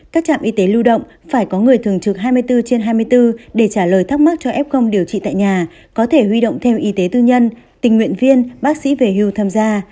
các trạm y tế lưu động phải có người thường trực hai mươi bốn trên hai mươi bốn để trả lời thắc mắc cho f điều trị tại nhà có thể huy động thêm y tế tư nhân tình nguyện viên bác sĩ về hưu tham gia